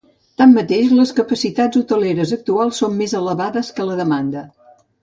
Tanmateix, les capacitats hoteleres actuals són més elevades que la demanda.